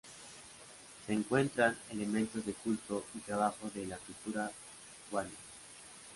Se encuentran elementos de culto y trabajo de la cultura guane.